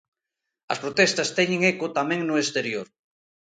As protestas teñen eco tamén no exterior.